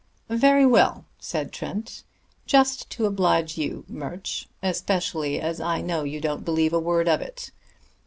"Very well," said Trent. "Just to oblige you, Murch especially as I know you don't believe a word of it.